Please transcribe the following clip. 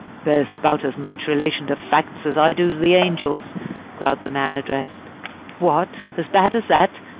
"Bears about as much relation to facts as I do to the angels!" growled the man addressed. "What! as bad as that?"